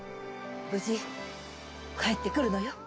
無事帰ってくるのよ。